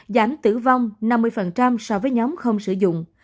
giảm tử vong năm mươi so với nhóm không sử dụng